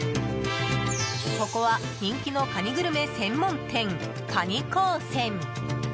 ここは人気のカニグルメ専門店、蟹工船。